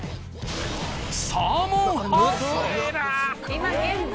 今現在。